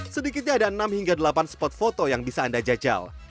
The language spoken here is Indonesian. sedikitnya ada enam hingga delapan spot foto yang bisa anda jajal